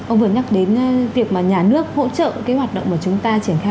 ông vừa nhắc đến việc mà nhà nước hỗ trợ cái hoạt động mà chúng ta có quyền làm như vậy